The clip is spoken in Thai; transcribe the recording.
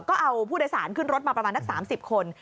ก็เอาผู้โดยสารขึ้นรถมาประมาณนัก๓๐คน